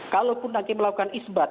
kalau pun nanti melakukan isbat